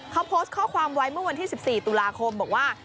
เขาโพสต์ข้อความไว้เมื่อวันที่๑๔ตุลาคมบอกว่า